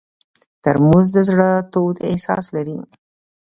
ترموز د زړه تود احساس لري.